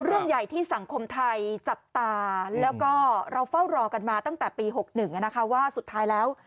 เรื่องใหญ่ที่สังคมไทยจับตาแล้วก็เราเฝ้ารอกันมาตั้งแต่ปี๖๑นะคะว่าสุดท้ายแล้ว